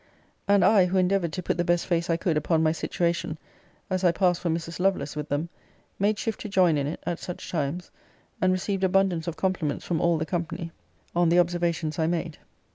And I, who endeavoured to put the best face I could upon my situation, as I passed for Mrs. Lovelace with them, made shift to join in it, at such times, and received abundance of compliments from all the company, on the observations I made.